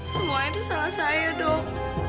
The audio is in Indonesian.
semuanya itu salah saya dok